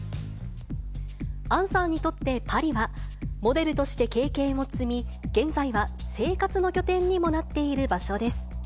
杏さんにとってパリは、モデルとして経験を積み、現在は生活の拠点にもなっている場所です。